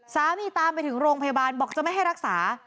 สามีตามไปถึงโรงพยาบาลบอกจะไม่ให้รักษา